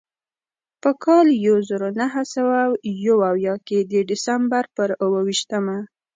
په کال یو زر نهه سوه یو اویا کې د ډسمبر پر اوه ویشتمه.